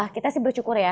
kita sih beryukur ya